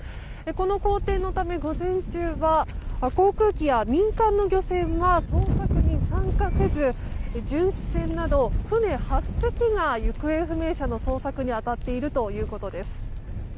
この荒天のため午前中は航空機や民間の漁船は捜索に参加せず、巡視船など船８隻が行方不明者の捜索に当たっているということです。